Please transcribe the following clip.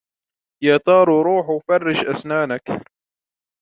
يا تارو روح وفرش أسنانك.